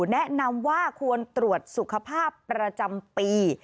แนะนำว่าควรตรวจสุขภาพประจำปี